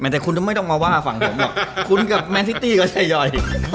แต่คุณต้องไม่ต้องมาว่าฝั่งผมหรอกคุณกับแมนซิตี้กับชายอย